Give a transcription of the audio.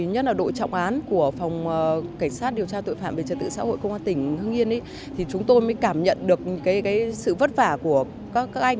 nhất là đội trọng án của phòng cảnh sát điều tra tội phạm về trật tự xã hội công an tỉnh hưng yên thì chúng tôi mới cảm nhận được sự vất vả của các anh